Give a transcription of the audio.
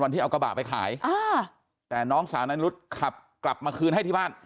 ที่เอากระบะไปขายอ่าแต่น้องสาวนายนุษย์ขับกลับมาคืนให้ที่บ้าน